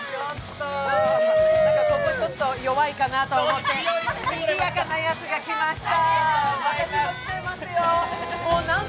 ここちょっと弱いかなと思ってにぎやかなやつが来ました。